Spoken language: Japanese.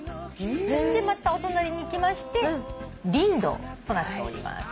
そしてまたお隣に来ましてリンドウとなっております。